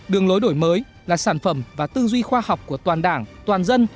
đường lối đổi mới là sản phẩm và tư duy khoa học của toàn đảng toàn dân